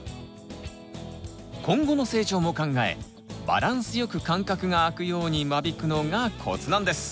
今後の成長も考えバランスよく間隔があくように間引くのがコツなんです！